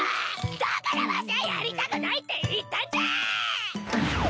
だからわしはやりたくないって言ったんじゃ！